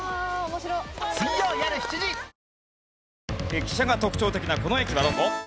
駅舎が特徴的なこの駅はどこ？